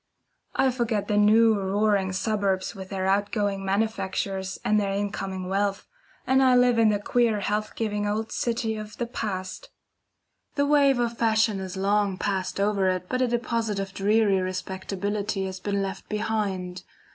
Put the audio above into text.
I forget the new roaring suburbs with their out going manufactures and their incoming wealth, and I live in the queer health giving old city of the past. The wave of fashion has long passed over it, but a deposit of dreary respectability has been left behind.